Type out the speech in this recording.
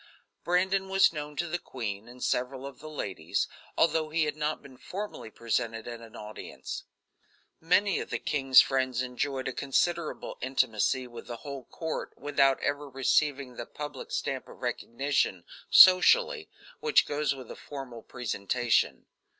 Brandon was known to the queen and several of the ladies, although he had not been formally presented at an audience. Many of the king's friends enjoyed a considerable intimacy with the whole court without ever receiving the public stamp of recognition, socially, which goes with a formal presentation.